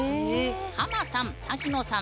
ハマさん瀧野さん